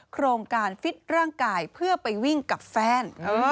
โครงการฟิตร่างกายเพื่อไปวิ่งกับแฟน